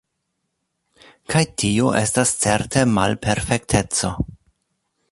Kaj tio estas certe malperfekteco.